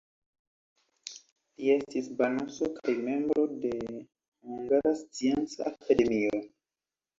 Li estis banuso kaj membro de Hungara Scienca Akademio.